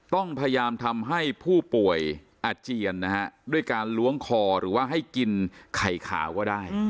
ต้องพยายามทำให้ผู้ป่วยอาเจียนนะฮะด้วยการล้วงคอหรือว่าให้กินไข่ขาวก็ได้